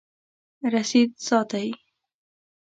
رسید ساتئ؟